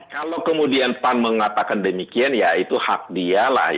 kalau kemudian pan mengatakan demikian ya itu hak dialah